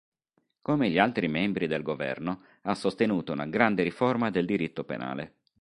Come gli altri membri del governo, ha sostenuto una grande riforma del diritto penale.